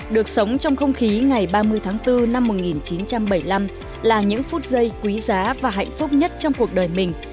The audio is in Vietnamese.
được sống trong không khí ngày ba mươi tháng bốn năm một nghìn chín trăm bảy mươi năm là những phút giây quý giá và hạnh phúc nhất trong cuộc đời mình